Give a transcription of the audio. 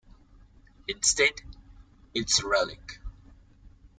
Instead, it's a relic.